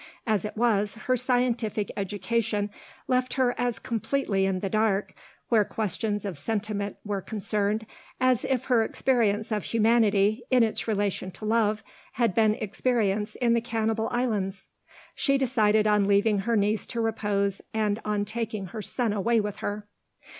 As it was, her scientific education left her as completely in the dark, where questions of sentiment were concerned, as if her experience of humanity, in its relation to love, had been experience in the cannibal islands. She decided on leaving her niece to repose, and on taking her son away with her.